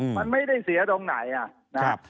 มันไม่ได้เสียตรงไหนนะครับ